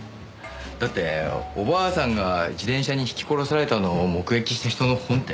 だってお婆さんが自転車にひき殺されたのを目撃した人の本って。